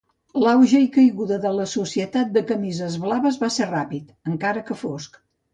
L'auge i caiguda de la Societat de Camises Blaves va ser ràpid, encara que fosc.